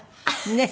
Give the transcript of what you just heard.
ねえ。